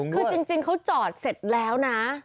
คือจริงเขาจอดเสร็จแล้วนะ